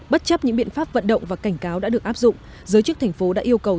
bất chấp những biện pháp vận động và cảnh cáo đã được áp dụng giới chức thành phố đã yêu cầu